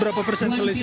berapa persen selisih